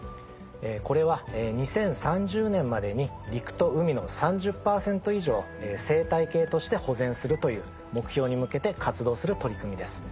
これは２０３０年までに陸と海の３０％以上を生態系として保全するという目標に向けて活動する取り組みです。